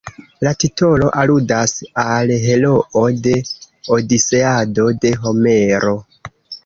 La titolo aludas al heroo de "Odiseado" de Homero.